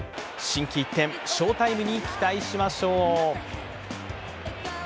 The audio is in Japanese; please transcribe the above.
心機一転、翔タイムに期待しましょう。